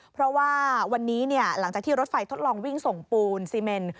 เพราะว่าวันนี้หลังจากที่รถไฟทดลองวิ่งส่งปูนซีเมน